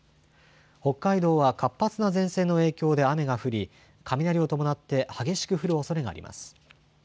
北海道は活発な前線の影響で雨が降り、雷を伴って激しく降るおそれがあります。